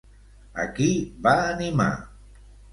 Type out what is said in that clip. A qui va animar?